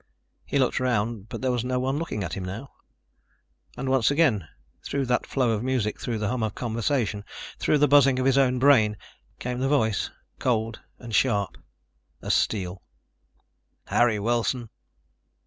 He looked around, but there was no one looking at him now. And once again, through that flow of music, through the hum of conversation, through the buzzing of his own brain, came the voice, cold and sharp as steel: "Harry Wilson!"